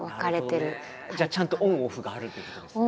じゃあちゃんとオンオフがあるってことですね。